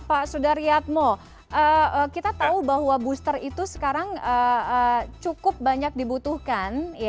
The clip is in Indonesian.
pak sudaryatmo kita tahu bahwa booster itu sekarang cukup banyak dibutuhkan